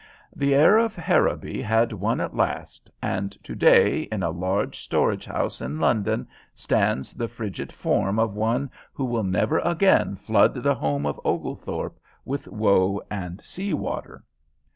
The heir of Harrowby had won at last, and to day in a large storage house in London stands the frigid form of one who will never again flood the house of Oglethorpe with woe and sea water.